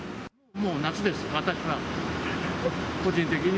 もう夏です、私は。